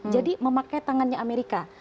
jadi memakai tangannya amerika